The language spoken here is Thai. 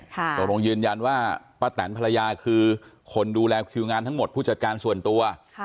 ตกลงยืนยันว่าป้าแตนภรรยาคือคนดูแลคิวงานทั้งหมดผู้จัดการส่วนตัว